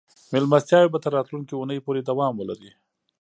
مېلمستیاوې به تر راتلونکې اونۍ پورې دوام ولري.